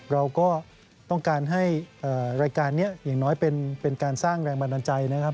เราก็ต้องการให้รายการนี้อย่างน้อยเป็นการสร้างแรงบันดาลใจนะครับ